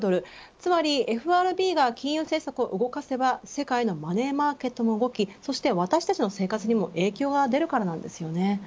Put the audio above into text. つまりＦＲＢが金融政策を動かせば世界のマネーマーケットも動き私たちの生活にも影響が出るからなんです。